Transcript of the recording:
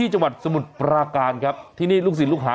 ฮ่าฮ่าฮ่าฮ่าฮ่า